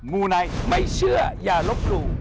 มูไนท์ไม่เชื่ออย่าลบหลู่